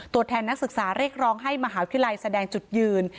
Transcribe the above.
ตัวแทนนักศึกษาเรียกร้องให้มหาวิทยาลัยแสดงจุดยืน